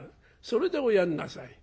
それでおやんなさい」。